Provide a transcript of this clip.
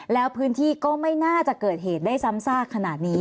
แล้วพื้นที่ก็ไม่น่าจะเกิดเหตุได้ซ้ำซากขนาดนี้